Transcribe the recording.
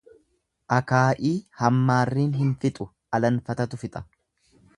Akaa'ii hammaarriin hin fixu alanfatatu fixa.